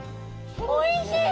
おいしい！